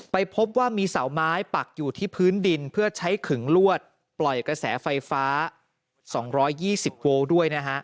พบว่ามีเสาไม้ปักอยู่ที่พื้นดินเพื่อใช้ขึงลวดปล่อยกระแสไฟฟ้า๒๒๐โวลด้วยนะฮะ